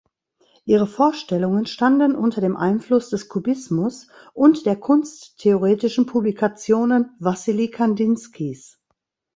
Ihre Vorstellungen standen unter dem Einfluss des Kubismus und der kunsttheoretischen Publikationen Wassily Kandinskys.